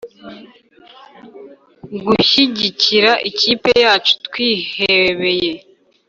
gushyigikira ikipe yacu twihebeye